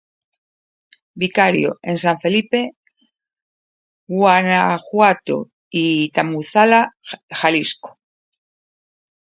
Vicario en San Felipe, Guanajuato; y Tamazula, Jalisco.